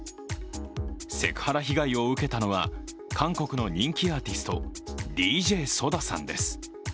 セクハラ被害を受けたのは韓国の人気アーティスト、ＤＪＳＯＤＡさんです。